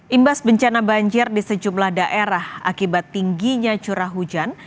imbas bencana banjir di sejumlah daerah akibat tingginya curah hujan